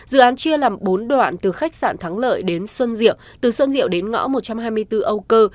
dự án chia làm bốn đoạn từ khách sạn thắng lợi đến xuân diệu từ xuân diệu đến ngõ một trăm hai mươi bốn âu cơ